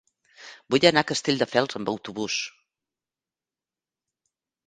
Vull anar a Castelldefels amb autobús.